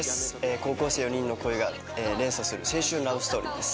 高校生４人の恋が連鎖する青春ラブストーリーです。